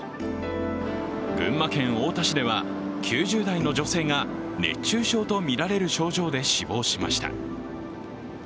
群馬県太田市では９０代の女性が熱中症とみられる症状で死亡しました。